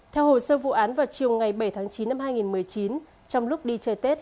theo hồ sơ vụ án vào chiều ngày bảy tháng chín năm hai nghìn một mươi chín trong lúc đi chơi tết